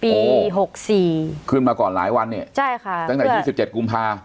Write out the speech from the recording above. ปีหกสี่ขึ้นมาก่อนหลายวันเนี่ยใช่ค่ะตั้งแต่๒๗กุมภา